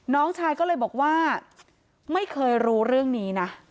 น้องชายก็เลยบอกว่าไม่เคยรู้เรื่องนี้นะ